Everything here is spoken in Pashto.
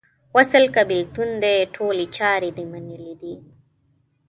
وصل که بیلتون دې ټولي چارې دې منلې دي